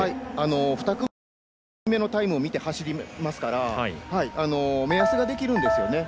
２組目は１組目のタイムを見て走りますから目安ができるんですよね。